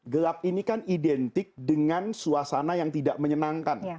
gelap ini kan identik dengan suasana yang tidak menyenangkan